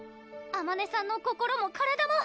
あまねさんの心も体も！